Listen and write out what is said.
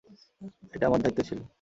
এটা আমার দায়িত্ব ছিল।